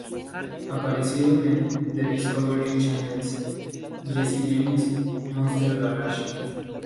Aparecieron en The Discovery Channel’s Jesse James' Monster Garage.